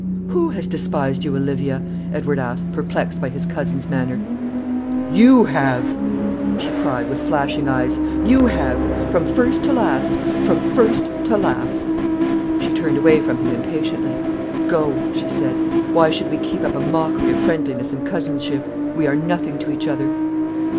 "Who has despised you, Olivia?" Edward asked, perplexed by his cousin's manner. "YOU HAVE!" she cried, with flashing eyes; "you have! From first to last from first to last!" She turned away from him impatiently. "Go," she said; "why should we keep up a mockery of friendliness and cousinship? We are nothing to each other."